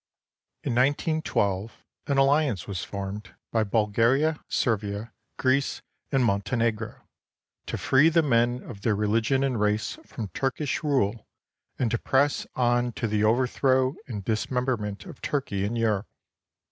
In 1912, an alliance was formed by Bulgaria, Servia, Greece, and Montenegro "to free the men of their religion and race from Turkish rule and to press on to the overthrow and dismemberment of Turkey in Europe."